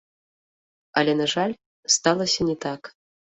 Але, на жаль, сталася не так.